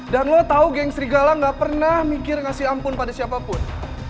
dan lo tau geng serigala gak pernah mikir ngasih ampun pada siapapun